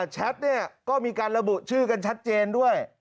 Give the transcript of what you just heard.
แชทเนี่ยก็มีการระบุชื่อกันชัดเจนด้วย